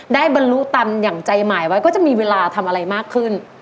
บรรลุตันอย่างใจหมายไว้ก็จะมีเวลาทำอะไรมากขึ้น